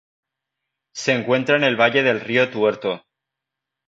Se encuentra en el valle del río Tuerto.